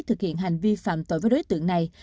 thực hiện hành vi phạm tội với đối tượng này